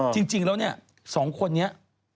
จริงแล้วสองคนนี้